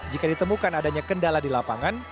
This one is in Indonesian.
jika ditemukan adanya kendala di lapangan